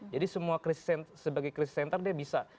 jadi sebagai crisis center dia bisa